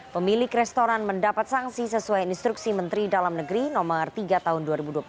pemilik restoran mendapat sanksi sesuai instruksi menteri dalam negeri no tiga tahun dua ribu dua puluh satu